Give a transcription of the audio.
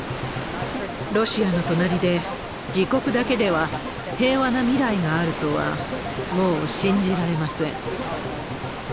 ロシアの隣で、自国だけでは平和な未来があるとは、もう信じられません。